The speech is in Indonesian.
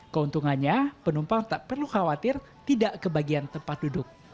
keuntungannya penumpang tak perlu khawatir tidak kebagian tempat duduk